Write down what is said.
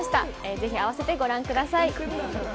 ぜひあわせてご覧ください。